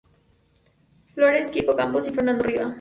Florez, Kiko Campos y Fernando Riba.